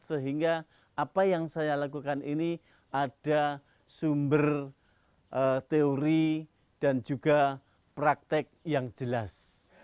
sehingga apa yang saya lakukan ini ada sumber teori dan juga praktek yang jelas